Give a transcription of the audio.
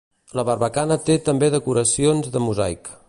La barbacana té també decoracions de mosaic.